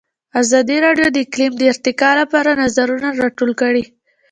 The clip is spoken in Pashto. ازادي راډیو د اقلیم د ارتقا لپاره نظرونه راټول کړي.